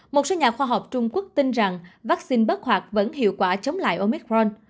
một số nhà khoa học trung quốc tin rằng vaccine bất hoạt vẫn hiệu quả chống lại omicron